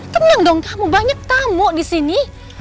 tenang dong kamu banyak tamu di sini